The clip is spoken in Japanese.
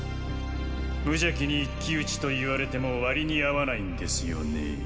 無邪気に一騎討ちと言われても割に合わないんですよねー。